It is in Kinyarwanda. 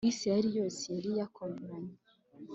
israheli yose yari yakoranye